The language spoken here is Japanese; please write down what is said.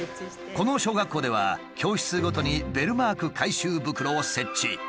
この小学校では教室ごとにベルマーク回収袋を設置。